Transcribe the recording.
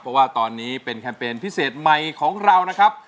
เพราะว่าตอนนี้เป็นแคมเปญพิเศษใหม่ของเรานะครับ